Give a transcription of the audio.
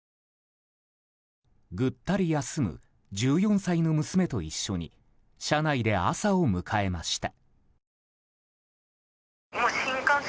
ぐったり休む１４歳の娘と一緒に車内で朝を迎えました。